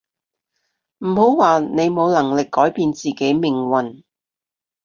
唔好話你冇能力改變自己命運